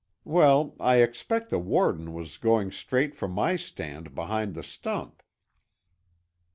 Well, I expect the warden was going straight for my stand behind the stump."